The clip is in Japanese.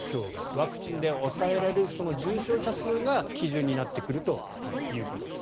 ワクチンで抑えられる重症者が基準になってくると。